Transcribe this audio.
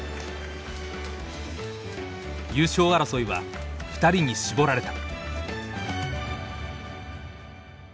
優勝争いは２人に絞られた。